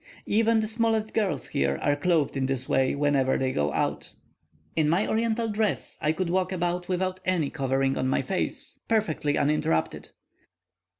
Even the smallest girls here are clothed in this way whenever they go out. In my Oriental dress I could walk about without any covering on my face, perfectly uninterrupted.